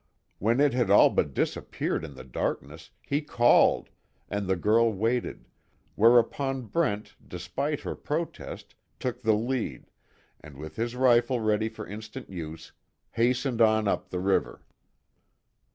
When it had all but disappeared in the darkness, he called, and the girl waited, whereupon Brent despite her protest, took the lead, and with his rifle ready for instant use, hastened on up the river.